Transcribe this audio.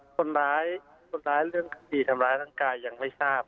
คนร้ายคนร้ายเรื่องคดีทำร้ายร่างกายยังไม่ทราบ